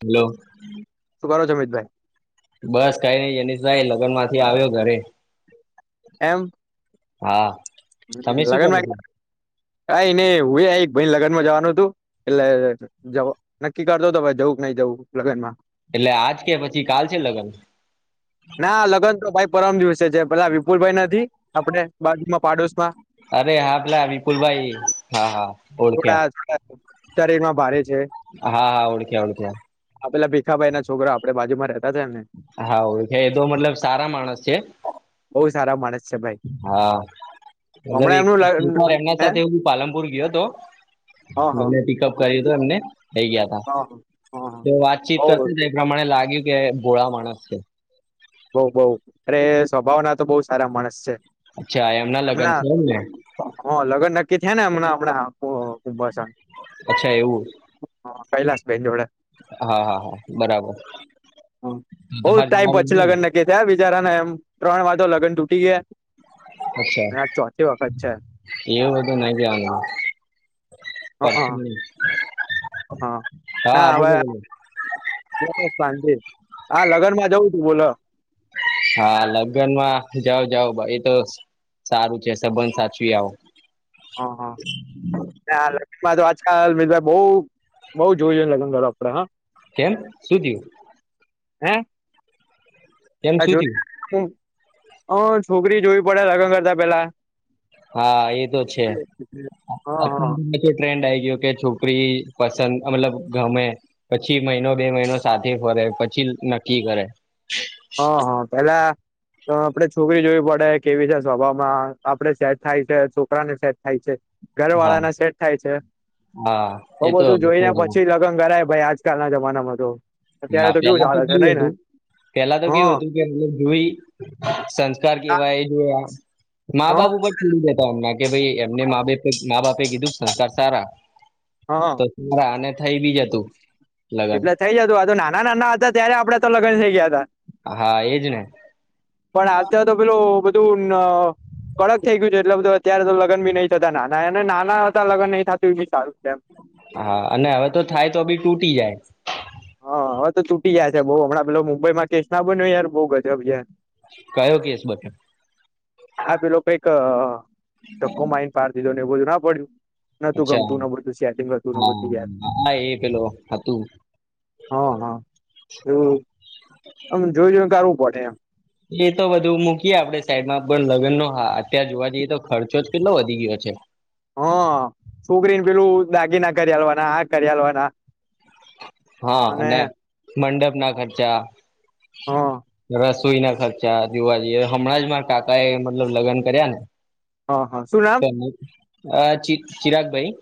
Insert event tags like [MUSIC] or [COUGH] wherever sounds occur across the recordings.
Hello શું કરો છો અમિતભાઈ બસ કઈ ની જેનીષભાઈ લગ્ન માંથી આવ્યો ઘરે હા હ તમે શું કરો લગ્નમાં છો? હા એને હું એક ભાઈ લગનમાં જવાનું હતું એટલે જ નક્કી કરતો હતો જવું ન‌ઈ જવું લગનમાં એટલે આજ કે પછી કાલ છે લગન ના લગન તો ભાઈ પરમ દિવસે છે પેલા વિપુલભાઈ નથી આપડે બાજુમાં પાડોશી અરે હા પેલા વિપુલભાઈ હા હા ઓળખ્યા અત્યારે એમાં ભારે છે હા હા ઓળખ્યા ઓળખ્યા આપેલા ભીખાભાઈ ના છોકરા આપડે બાજુમાં રહે હા ઓળખે એ તો મતલબ સારા માણસ છે. બહુ સારા માણસ છે ભાઈ હા મતલબ હમણાં એક એમનું લગ્ન એકર એમના હે સાથે એવુ પાલનપુર ગયો હતો. હા હા એને પિકઅપ કર્યું હતું એમને. થઈ ગયા તા હા હા તો વાતચીત બઉ કરતી એ પ્રમાણે લાગ્યું કે ભોળા માણસ છે. સ્વભાવના તો બોલ સારા માણસ છે અચ્છા લગ્ન એમના છે એમ ને લગન નક્કી થયા ને હમણાં હમણા [UNINTELLIGIBLE] અચ્છા એવું. બેન જોડે હા હા હા બરાબર. હતું લગન ને? નક્કી થયા બિચારાને એમ ત્રણ વારતો લગન તૂટી ગયા. અચ્છા અને ચોથી વખત છે એવું બધું [UNINTELLIGIBLE] હ પર હા હા બોલો બોલો. બસ સાંજે આ લગન માં જવું છુ બોલો. હા લગનમાં જાવ જાવ ભાઈ એતો સારું છે સંબંધ સાચવી આવો. હ હ આ લક્ષ્માં તો [UNINTELLIGIBLE] બોવ બોવ જોઈ જોઈને લગન કરવા પડે હા. કેમ શું થયું? હે. કેમ હ શું જો થયું અ છોકરી જોવી પડે લગન કરતા પેલા હા એ તો છે હ હ અત્યંત ટ્રેન્ડ આ કે છોકરી પસંદ મતલબ ગમે પછી મહિનો બે મહિનો સાથે ફરે પછી નક્કી કરે. હ હ પેલા તો આપડે છોકરી જોવી પડે કેવી છે સ્વભાવમાં આપડે સેટ થાય છે છોકરાને સેટ થાય છે. ઘર હા વાળાને સેટ થાય છે હા બઉ એ તો બધું જોઈ ને પછી હા લગ્ન કરાય. ભાઈ આજકાલ ના જમાનામાં તો અત્યારે તો કેવું ચાલે છે નઈ ને પેલા તો હ હ કેવું હતું કે એ જોઈ સ ત્યાર કેવાય જો મા બાપ ઉપર કેડી દેતા અમને કે ભાઈ એમને મા બાપ મેં કીધું સંસ્કાર સારા હા તોરા આને થઈ બી જતું લગ્નન ના નાના હતા ત્યારે આપડે તો લગન થઈ ગયા હા એજ ને પણ આત્યારે તો પેલું બધું ન કડક થઈ ગયું છે એટલે બધું અત્યારે તો લગન બી નઈ થતા નાના અને નાના હતા લગ્ન નહી થાતું એ બી સારુ. હા અને હવે તો થાય તો બી તૂટી જાય. હા હવે તો તૂટી ગયા છે બઉ હમણાં પેલા મુંબઈમાં કેસ ના બન્યો યાર બઉ ગજબ છે. કયો કેસ બધ આ પેલો કઈક ધક્કો મારીને પાર દીધો ને એવું બધું ન પડ્યું નતું અચ્છા ગમતું ના પરતું સેર્ટિંગ હતું ને આવુ હા બધુ યાર. હા એ પેલો હતું હા હા એવું આમ જોય જોયને કરવું પડે એમ એ તો બધુ મૂકીએ આપડે સાઈડમાં પણ લગ્નનો હા અત્યારે જોવા જઈએ તો ખર્ચોજ કેટલો વધી ગયો છે. હ છોકરીને પેલું દાગીના કરિયાલવાના આ કરિયાલવાના હા અને મંડપના ખર્ચા હા રસ સુઈના ખર્ચા જોવા જઈએ હમણાં જ મારા કાકા એ મતલબ લગ્ન કર્યા હા હા શું નામ ને અ ચિ ચિરાગભાઈ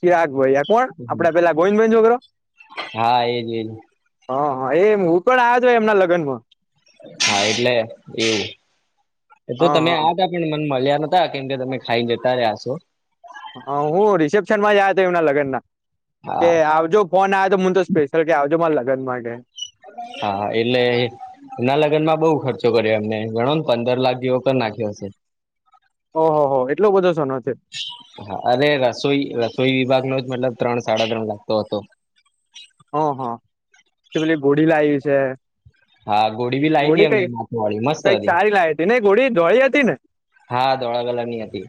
ચિરાગ ભાઈ આ કોણ આપડે પેલા ગોવિંદભાઈ નો છોકરો હા એજ એજ. હ હા એમ હું પણ આવ્યો છું એમના લગ્નમાં. હા એટલે એવું એ તો હા તમે આ તાને મને મળ્યા હતા કેમ કે તમે ખાઈને જતા રહ્યા હસો. હ હું રિસેપ્શનમાં જ આયો તો એમના લગ્નના કે હા આવજો ફોન આવે તો મને તો સ્પેશિલ કે આવજો મારા લગ્ન માટે હા એટલે એના લગ્નમાં બહુ ખર્ચો કર્યો એમને ગણોને પંદર લાખ જેવો કર નાખ્યો હશે ઓહ હો એ હા અરે રસોઈ રસોઈ વિભાગ નો જ મતલબ ત્રણ સાડા ત્રણ લાખ તો હતો હ હ કે પેલી ઘોડી લાવી છે. હા ગોળી બી લાવી હતી ઘોડી એમને કઈ નાથું વાળી મસ્ત કઈક હતી સારી લાઈ હતીને ઘોડી ધોળી હતી ને હા ધોળા કલરની હતી.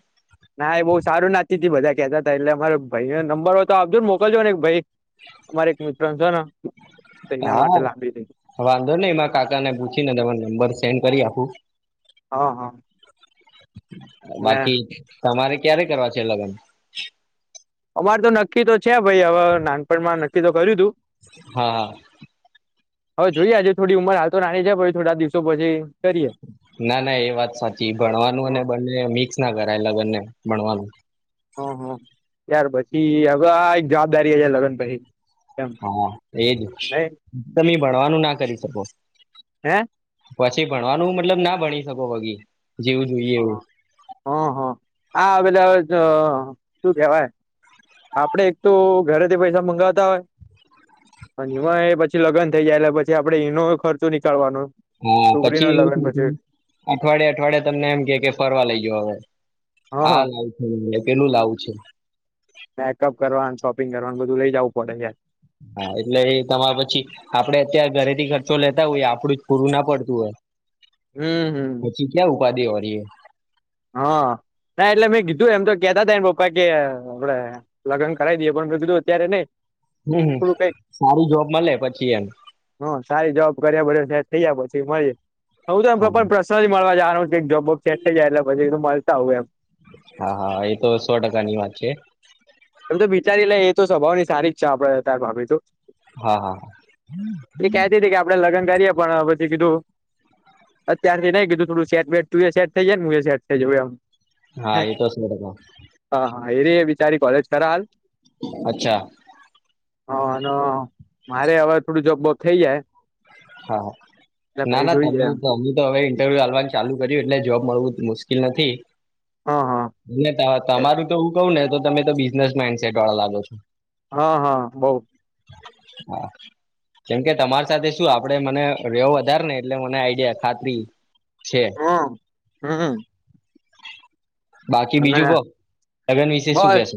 ના એ બહુ સારું ના ચતી તી બધા કેતા હતા એટલે અમારે ભાઈએ નંબર હોય તો આપજો ને મોકલજોને ભાઈ અમારે રજાનો હા વાંધો નઈ મારા કાકાને પૂછીને તમને નંબર સેન્ડ કરી આપું. હા હા ને બાકી તમારે ક્યારે કરવા છે લગ્ન મારે તો નક્કી તો છે ભાઈ હવે નાનપણમાં નક્કી તો કર્યું તું હા હા હવે જોઈએ હજે થોડી ઉંમર હાલ તો નાની છે પહી થોડા દિવસો પછી કરીએ ના ના એ વાત સાચી ભણવાનું અને હા બંને મિક્સના કરાય લગનને ભણવાનું હ હ ત્યાર પછી હવે આ એક જવાબદારી હજી લગન પહી હા એજ તમે ભણવાનું ના કરી શકો હે પછી ભણવાનું મતલબ ના ભણી શકો બગી હ હ હ આ પેલો અવે જો શું કેવાય આપડે એક તો ઘરેથી પૈસા મગાવતા હોય અને એમાં એ પછી લગ્ન થઇ જાય એટલે પછી આપડે એનો ખર્ચો નીકળવાનો હા છોકરી ન પછી લગ્ન એવું પછી થ અઠવાડિયે અઠવાડયે તમને એમ કે કે ફરવા લઈજો હવે હા લાવું છે પેલુ લાવું છે મેકઅપ કરવાનું શોપિંગ કરવાનું બધું લઇ જવું પડે યાર હા એટલે તમારે પછી આપડે અત્યારે ઘરેથી રચો લેતા હોય આપણું જ પૂરું ના પડતું હોય હમ હમ [UNINTELLIGIBLE] હા ના એટલે મેં કીધું એમ તો કેતા હતા એને પપ્પા કે આપડે લગ્ન કરાવી દઈએ પણ મે કિધુ અત્યારે નઈ હમ હમ થોડું ક સારી જોબ મળે પછી એમ હ સારી જોબ કર્યા પ થઇ જ પછી મળી હ તો એમ હા પણ પ્રશ્ન જ મળવા જવાનો જોબેટ થઈ જાય એટલે પછી તો મળતા આવું એમ હા હા એ તો સો ટકા ની વાત છે એમ તો બિચારી લે એ તો સ્વભાવ ની સારી જ છે આપડે તાર ભાભી તોું હા હા એ કેતી હતી કે આપડે લગ્ન કરીએ પણ પછી કીધું અત્યારથી નહી કીધું થોડું સેટ વેટ તું સેટ થઈ હુ સેટ થઈ જવુ થઈ જવુ એમ હા એ તો હા હા એ ર એ બિચારી કોલેજ ખલ અચ્છા હ મારે હવે થોડું જોબ બોબ થઇ જાય હા એટલે ના ભાઈ ના જોઈએ એમ તમે અમમે તો હવે ઇન્ટરવ્યુ હાલવાનું ચાલુ કરી એટલે જોબ મળવું મુશ્કેલ નથી. હા હા તમારું તો એું કહ ને તમે તો બિઝનેસ મેન હા હા બૌ. હા કેમ કે તમારી સાથે શું આપડે મને રવ વધારે ને એટલે મને આઈડિયા ખાતરી છે હમ હમ. બાકી અને બીજું કોહ લગન વિશે શું કેશ?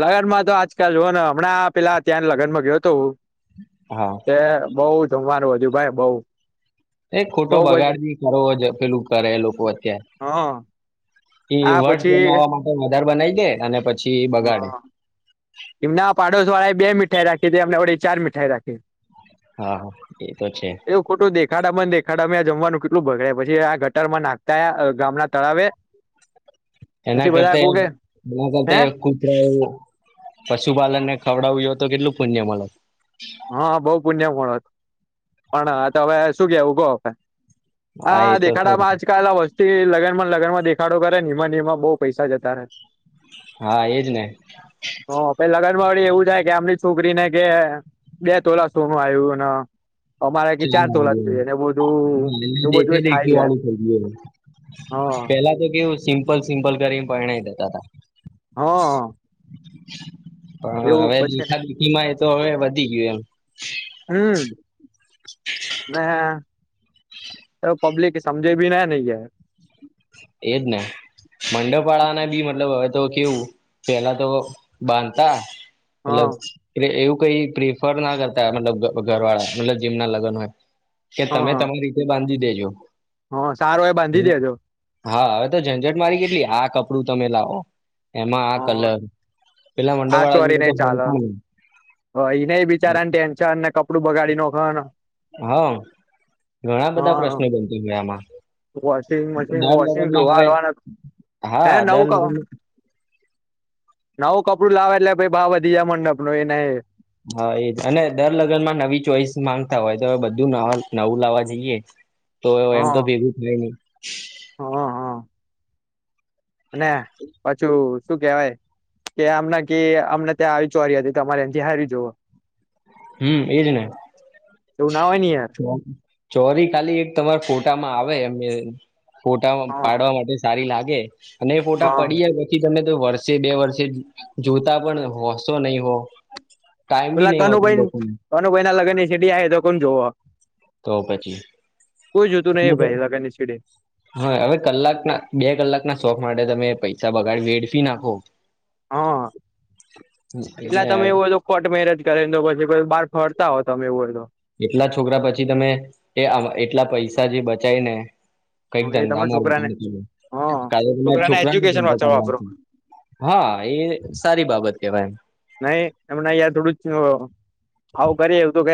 લગનમાં તો આજકાલ જોઓને હમણાં પેલા ત્યાં લગનમાં ગયો હતો હું હા એ બઉ જમવારું હજુ ભાઈ બઉ. એ બઉ ખોટો પછી બગાડ બ કરો પેલું કરે લોકો અત્યારે. હા એ આ વર્સ પછી જમાવવા માટે વધાર બનાવી દે અને પછી બગાડે. હા એમના પાડોશ વાળા એ બે મીઠાઈ રાખી છે એમને વડે ચાર મીઠાઈ રાખી. હા હા એ તો છે. દખાડા બંધ દેખાડામાં જમવાનું કેટલું ભગડે પછી આ ગટરમાં નાખતા ગામના તળાવે પછી એના બધા કઉ કરતાં કે હે [UNINTELLIGIBLE] કુતરાઓ પશુપાલન ને ખવડાવું જો હો તો કેટલું પુણ્યમળે. હા બહુ પુણ્ય મળત પણ હ તો હવે શું કે ગહે એ હા તો દેખાડામાં આજકાલ [INAUDIBLE] લગન માં લગન માં દેખાડ કરે નિમા નિમા બહઉ પૈસા જતા રહેે. હા એજ ને. હ પહી લગનમાં વળી એવું થાય કે અમરી છોકરી ને કે બે તોલા સો ન આવ્યું ન અમારે ચાર ટોલા જોઈએ ને એવું બધું એવું બધું દેખે એ થાય દેખી ગયા. વાળું થઈ ગયું પેલા તો કેવું સિમ્પલ સિમ્પલ કરીને પરણાવી દેતા હતા. હા પણ એવું હવે પછી દેખા દીખી માં એ તો હવે વધી ગયું એમ. [UNINTELLIGIBLE] તો પબ્લિક સમજે ભી ના નહીય. એજ ને મંડપાળાને બી મતલબ હવે તો કેવું પેલા તો બાંધતા હા મતલબ કે એવું કઈ પ્રીફરના કરતા મતલબ ઘ ઘર વાળા મતલબ જેમના લગન હોય કે તમે તમારી રીતે બાંધી દેજો. હ સારો એ બાંધી દેજો. હા હવે તો ઝંઝટ મારી કેટલી આ કપડું તમે લાવો એમાં હ આ કલર પેલા મંડપ વાળા જોડે તો હોય પણ. હ એને બિચારાને ટેન્શનને કપડું બગાડી નખો ને હા ઘણા બધા હા પ્રશ્નો બન થય ગયા આમાં વોશિંગ મશીન દર વોશિંગ લગ્નમાં ધોવા હવે આલવાનો હે હા દર નવું ક લગ્ન નવું કપડું લાવે એટલે પહી ભાવ વધી જાય મંડપ નો એને એ હા એ જ અને દર લગનમાં નવી ચોઈસ માંગતા હોય તો બધું નવ નવું લાવવા જઈએ. તો એમ તો હા ભેગું થાય નહી. હા હા. અને પાછું શું કેવાય કે આમના કે અમને ત્યાં આવી ચોરી હતી તમારે એનથી હારી જોવો. હમ એજ ને. એવું ના હોયની યાર. ચોરી ખાલી એક તમારા ફોટામાં આવે એમ એ ફોટા પાડવા માટે સારી લાગે અને એ હ હ ફોટા પડીએ પછી તમે તો વર્ષે બે વર્ષે જોતા પણ હોશો નહી હો. ટાઈમ બી એટલા નહી હોતું કનુભાઈ લોકોને કનુભાઈના લગ્નની સીડી આવે તો કોમ જોવો. તો પછી કોઈ જોતું નહી અમને તો ભાઈ લગનની સીડી હા હવે કલાકના બે કલાકના શોખ માટે તમે પૈસા બગાડી વેડફી નાખો હા એટલા એટલે તમે એવું બધું કોટ મેરેજ કરીને તો પછી કોઈક બહાર ફર તા હો તમે એવું હોય તો એટલા છોકરા પછી તમે એ આ એટલા પૈસા જે બચાય ને કઈક તો હ એ તમે ધંધામાં છોકરાને રોકાણ હ કાયમ ના છોકરાને એજ્યુકેશન ધંધો વાંચવા કરવા વાપરો છે. હા એ સારી બાબત કેવાય એમ. નહી એમણા અયા થોડું જ અ આવું કરીએ એવું બધું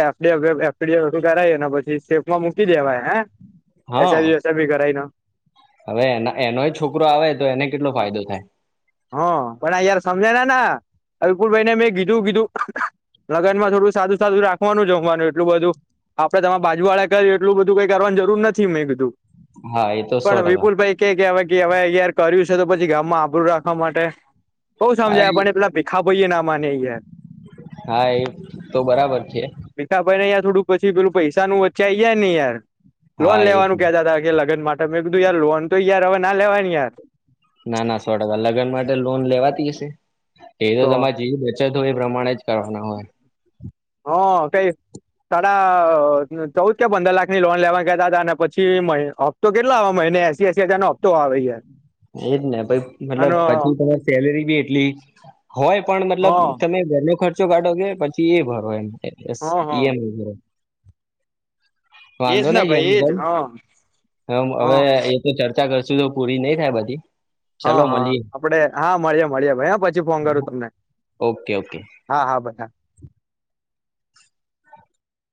કે એફડી કરાવને પછી સેફમાં મૂકી દેવાય હે હા એસા ભી વૈસા ભી કરાય ના હવે એના એનોય છોકરો આવે તો એને કેટલો ફાયદો થાય. હ પણ આ યાર સમજાય ના ના અલકુલ ભાઈને મેં કીધું કીધું લગનમાં થોડું સાદું સાદું રાખવાનું જમવાનું એટલું બધું આપડે તમારા બાજુ વાળા કર્યુ એટલું બધું કઈ કરવાનું જરૂર નથી મે કીધું હા એ તો સો પણ ટકા વિપુલ ભાઈ કે અવે કેવાય તયાર કર્યું છે તો પછી ગામમાં આપણુ રાખવા માટે બોવ હા સમજાવયા એ પણ એટલા ભીખા ભઈએ ના માની ગીયા. હા એ તો બરાબર છે. થોડું પછી પેલું પૈસાનું વચે આવી જાય ને યાર હા લોન લેવાનું એ કેતા તા. લગન માટે મેં કીધું યાર લોન તો યાર હવે ના લેવાયને યાર. ના ના સો ટકા લગ્ન માટે લોન લેવાતી હશે એ તો તમારે જેવ છે તો એ પ્રમાણે જ કરવાના હોય. હ કઈ તા ચૌદ કે પંદર લાખની લોન લેવા કેતા હતા અને પછી મય હપ્તો કેટલા આવા મહિને એસી એ એસિ હજારનો હફતો આવે છે. એજ ને પહી મતલબ પછી તમારી સેલેરી બી એટલી હોય પણ હા મતલબ તમે ઘરનો ખર્ચ કચો કાઢો કે પછી એ ભરો એમ હા ઈ હા એમ એજ વાંધો ને નહી એમ એજ ભાઈ હા હમ અવે હા એ તો ચર્ચ ચા કરશું તો પૂરી નહી થાય બધી. હા ચલો હા મળીએ આપડે હા મળીએ મળીએ ભાઈ હા પછી ફોન કરું તમને. ઓકે ઓકે હા હા બધા